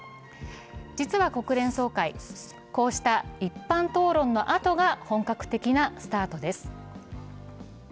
実は国連総会、こうした一般討論の後が本格的なスタートです。